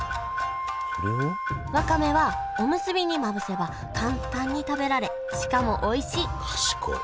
わかめはおむすびにまぶせば簡単に食べられしかもおいしい賢い。